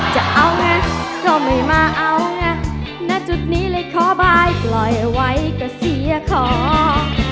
จะเอาไงก็ไม่มาเอาไงณจุดนี้เลยขอบายปล่อยเอาไว้ก็เสียของ